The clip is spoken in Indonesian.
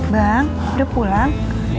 bang udah pulang